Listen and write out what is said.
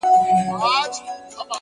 د کوڅې ورو تګ د فکر سرعت کموي،